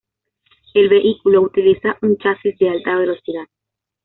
El vehículo utiliza un chasis de alta velocidad.